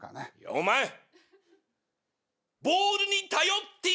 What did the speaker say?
お前ボールに頼ってぃ